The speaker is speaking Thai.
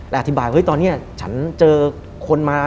และอธิบายเฮ้ยตอนนี้ฉันเจอคนมา